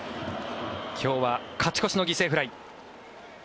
今日は勝ち越しの犠牲フライ。